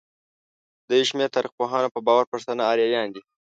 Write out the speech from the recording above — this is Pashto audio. د يوشمېر تاريخپوهانو په باور پښتانه اريايان دي.